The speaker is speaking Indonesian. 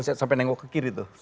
sampai nengok ke kiri tuh